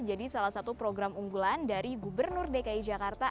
jadi salah satu program unggulan dari gubernur dki jakarta